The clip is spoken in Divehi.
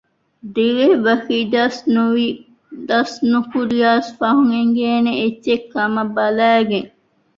ދިވެހިބަހަކީ ދަސްނުކުރިޔަސް ފަހުން އެނގޭނެ އެއްޗެއްކަމަށް ބަލައިގެން